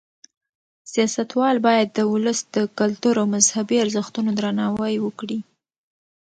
سیاستوال باید د ولس د کلتور او مذهبي ارزښتونو درناوی وکړي.